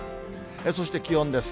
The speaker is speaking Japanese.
そして気温です。